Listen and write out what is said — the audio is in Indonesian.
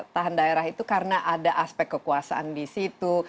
tahan daerah itu karena ada aspek kekuasaan di situ